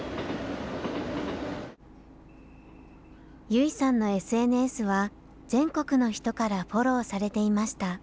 優生さんのＳＮＳは全国の人からフォローされていました。